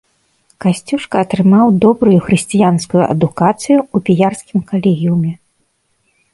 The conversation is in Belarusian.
Касцюшка атрымаў добрую хрысціянскую адукацыю ў піярскім калегіуме.